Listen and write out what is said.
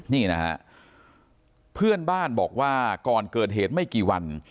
นี่นะฮะเพื่อนบ้านบอกว่าก่อนเกิดเหตุไม่กี่วัน